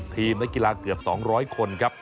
๒๐ทีมและกีฬาเกือบ๒๐๐คนครับ